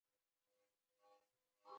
زیات وخت تېر شو او هغه شخص یو څه ولیدل